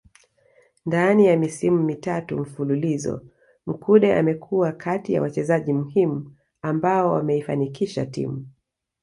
Ndani ya misimu mitatu mfululizo Mkude amekuwa kati ya wachezaji muhimu ambao wameifanikisha timu